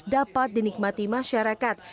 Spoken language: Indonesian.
dapat dinikmati masyarakat